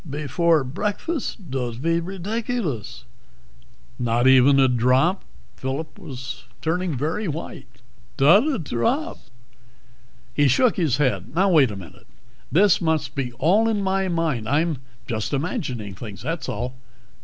"Before breakfast? Dod't be ridiculous." "Not even a drop?" Phillip was turning very white. "Dot a drop." He shook his head. "Now, wait a minute. This must be all in my mind. I'm just imagining things, that's all.